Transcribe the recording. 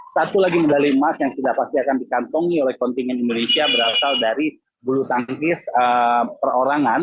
satu lagi medali emas yang sudah pasti akan dikantongi oleh kontingen indonesia berasal dari bulu tangkis perorangan